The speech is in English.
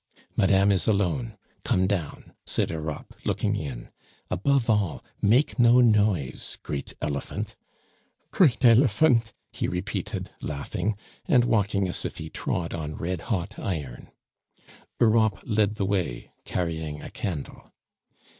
"Madame is alone; come down," said Europe, looking in. "Above all, make no noise, great elephant." "Great Elephant!" he repeated, laughing, and walking as if he trod on red hot iron. Europe led the way, carrying a candle.